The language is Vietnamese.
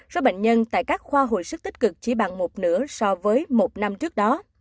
số bệnh nhân tại các khoa hồi sức tích cực chỉ bằng một nửa so với một năm trước đó